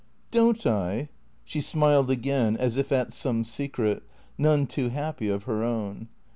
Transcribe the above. " Don't I ?" She smiled again, as if at some secret, none too happy, of her own.